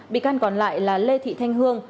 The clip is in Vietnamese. bị can còn lại là lê thị thanh hương